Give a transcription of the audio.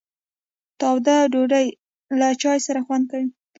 تاوده ډوډۍ له چای سره خوند کوي.